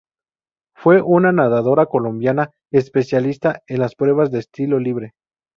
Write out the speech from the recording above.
Fue una nadadora Colombiana especialista en las pruebas de estilo Libre.